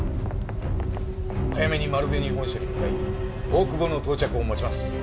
早めに丸紅本社に向かい大久保の到着を待ちます。